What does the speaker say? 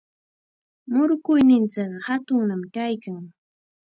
Murukuyninchikqa hatunnam kaykan.